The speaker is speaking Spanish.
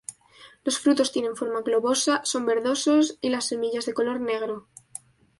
Los frutos tienen forma globosa, son verdosos, y las semillas de color negro.